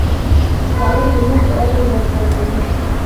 خوړل د مور دعاوې راجلبوي